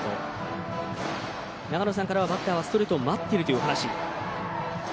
長野さんからはバッターはストレートを待っているというお話。